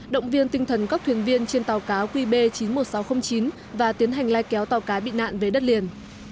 động viên tinh thần các thuyền viên trên tàu cá qb chín mươi một nghìn sáu trăm linh chín và tiến hành lai kéo tàu cá bị nạn về đất liền